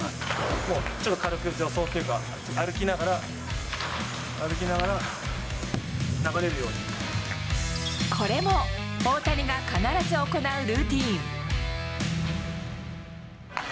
もうちょっと軽く助走っていうか、歩きながら、これも、大谷が必ず行うルーティン。